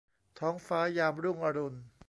ท้องฟ้ายามรุ่งอรุณ